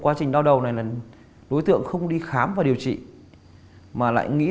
quá trình điều tra chúng tôi đã rút ra được rằng là